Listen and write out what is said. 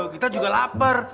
kita juga lapar